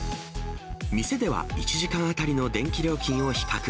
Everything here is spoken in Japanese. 店では、１時間当たりの電気料金を比較。